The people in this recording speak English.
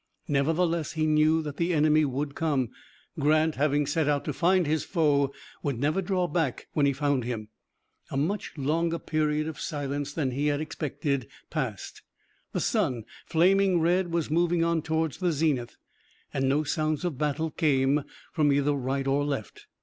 Nevertheless he knew that the enemy would come. Grant having set out to find his foe, would never draw back when he found him. A much longer period of silence than he had expected passed. The sun, flaming red, was moving on toward the zenith, and no sounds of battle came from either right or left.